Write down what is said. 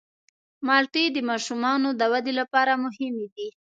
مالټې د ماشومانو د ودې لپاره مهمې دي.